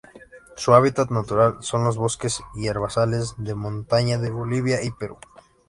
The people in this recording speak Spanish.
Su hábitat natural son los bosques y herbazales de montaña de Bolivia y Perú.